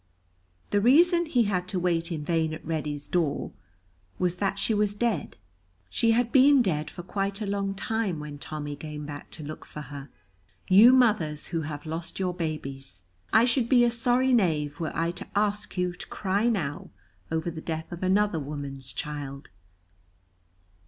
The reason he had to wait in vain at Reddy's door was that she was dead; she had been dead for quite a long time when Tommy came back to look for her. You mothers who have lost your babies, I should be a sorry knave were I to ask you to cry now over the death of another woman's child.